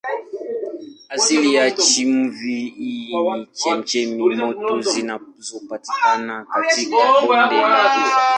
Asili ya chumvi hii ni chemchemi moto zinazopatikana katika bonde la Ufa.